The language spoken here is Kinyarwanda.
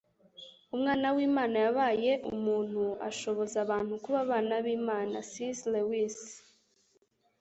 umwana w'imana yabaye umuntu ushoboza abantu kuba abana b'imana - c s lewis